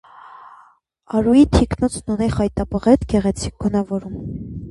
Արուի թիկնոցն ունի խայտաբղետ գեղեցիկ գունավորում։